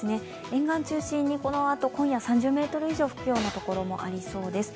沿岸中心に、このあと３０メートル近く吹くところもありそうです。